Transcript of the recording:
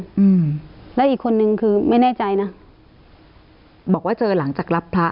อืมแล้วอีกคนนึงคือไม่แน่ใจนะบอกว่าเจอหลังจากรับพระ